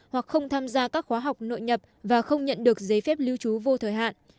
hoặc không tham gia các khóa học nội nhập và không nhận được giấy phép lưu trú vô thời hạn